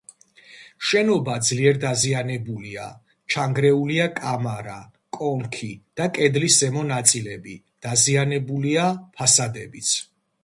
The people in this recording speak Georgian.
შენობა ძლიერ დაზიანებულია: ჩანგრეულია კამარა, კონქი და კედლის ზემო ნაწილები; დაზიანებულია ფასადებიც.